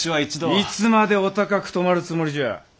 いつまでお高くとまるつもりじゃ！